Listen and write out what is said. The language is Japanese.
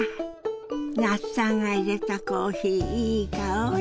那須さんがいれたコーヒーいい香り。